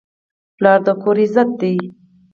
پلار د کور عزت دی.